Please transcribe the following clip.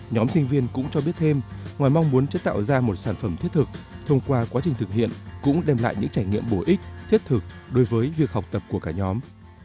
nhóm sinh viên cũng cho biết thêm ngoài mong muốn sẽ tạo ra một sản phẩm thiết thực thông qua quá trình thực hiện cũng đem lại những trải nghiệm bổ ích thiết thực đối với việc học tập của cả nhóm